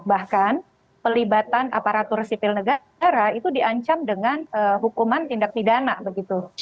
bahkan pelibatan aparatur sipil negara itu diancam dengan hukuman tindak pidana begitu